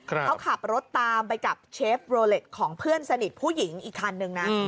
เขาขับรถตามไปกับเชฟโรเล็ตของเพื่อนสนิทผู้หญิงอีกคันนึงนะ